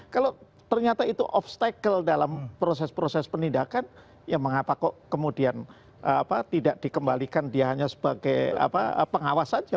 kalau ternyata itu obstacle dalam proses proses penindakan ya mengapa kok kemudian tidak dikembalikan dia hanya sebagai pengawas saja